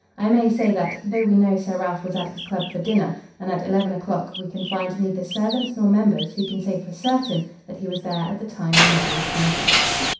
I may say that, though we know Sir Ralph was at his club for dinner and at eleven o'clock, we can find neither servants nor members who can say for certain that he was there at the time the murder was committed."